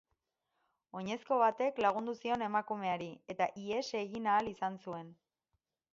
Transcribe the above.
Oinezko batek lagundu zion emakumeari, eta ihes egin ahal izan zuen.